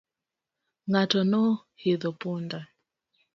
Ng'ato no hidho punda.